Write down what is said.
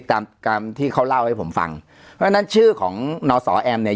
ตามตามที่เขาเล่าให้ผมฟังเพราะฉะนั้นชื่อของนสอแอมเนี่ย